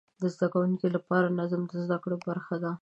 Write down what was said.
د زده کوونکو لپاره نظم د زده کړې برخه وه.